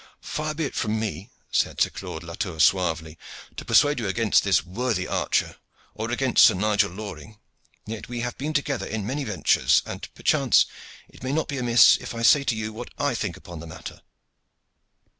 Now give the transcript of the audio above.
"Far be it from me," said Sir Claude Latour suavely, "to persuade you against this worthy archer, or against Sir Nigel Loring; yet we have been together in many ventures, and perchance it may not be amiss if I say to you what I think upon the matter."